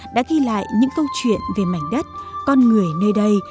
đã ghi lại những câu chuyện về mảnh đất con người nơi đây